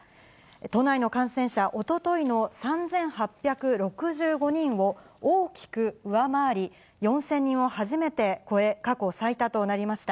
都内の感染者、おとといの３８６５人を大きく上回り、４０００人を初めて超え、過去最多となりました。